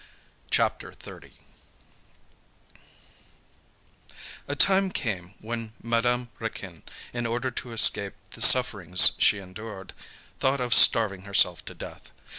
CHAPTER XXX A time came when Madame Raquin, in order to escape the sufferings she endured, thought of starving herself to death.